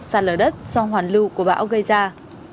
sạt lở đất do hoàn lưu của bão gây ra